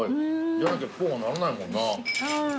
じゃなきゃこうはならないもんな。